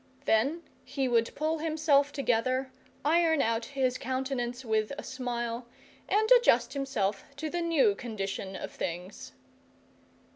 Then he would pull himself together, iron out his countenance with a smile, and adjust himself to the new condition of things.